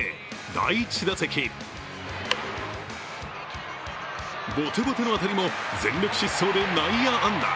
第１打席ボテボテの当たりも全力疾走で内野安打。